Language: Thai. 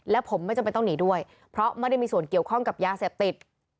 และผมไม่จำเป็นต้องหนีด้วยเพราะไม่ได้มีส่วนเกี่ยวข้องกับยาเสพติด